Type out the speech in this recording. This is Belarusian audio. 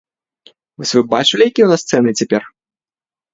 Вось вы бачылі, якія ў нас цэны цяпер?